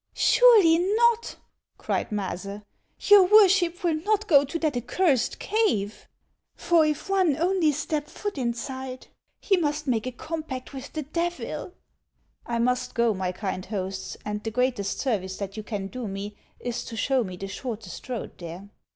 " Surely not," cried Maase ;" your worship will not go to that accursed cave ; for if one only step foot inside, he must make a compact with the Devil ;"" I must go, my kind hosts, and the greatest service that you can do me is to show me the shortest road there."